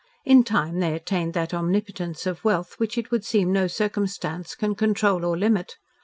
In time they attained that omnipotence of wealth which it would seem no circumstance can control or limit.